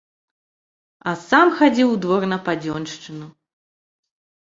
А сам хадзіў у двор на падзёншчыну.